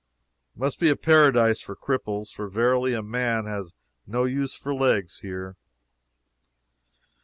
It must be a paradise for cripples, for verily a man has no use for legs here.